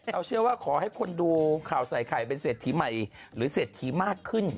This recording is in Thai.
เชื่อว่าขอให้คนดูข่าวใส่ไข่เป็นเศรษฐีใหม่หรือเศรษฐีมากขึ้น